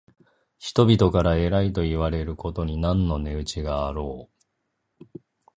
人々から偉いといわれることに何の値打ちがあろう。